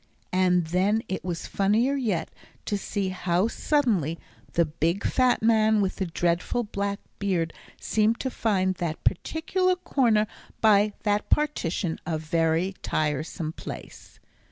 And then it was funnier yet to see how suddenly the big fat man with the dreadful black beard seemed to find that particular corner by that partition a very tiresome place.